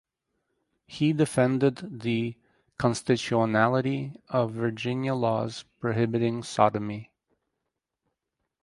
He defended the constitutionality of Virginia laws prohibiting sodomy.